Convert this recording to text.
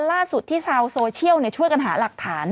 ล่าสุดที่ชาวโซเชียลช่วยกันหาหลักฐาน